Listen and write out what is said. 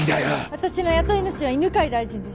私の雇い主は犬飼大臣です。